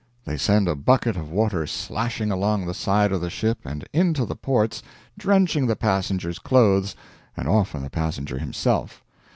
They send a bucket of water slashing along the side of the ship and into the ports, drenching the passenger's clothes, and often the passenger himself.